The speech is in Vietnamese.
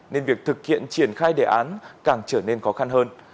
nên việc thực hiện triển khai đề án càng trở nên khó khăn hơn